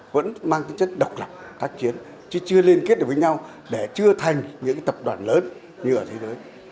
vẫn mang cái chất độc lập tác chiến chứ chưa liên kết được với nhau để chưa thành những tập đoàn lớn như ở thế giới